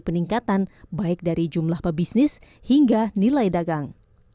peningkatan baik dari jumlah pebisnis hingga nilai dagang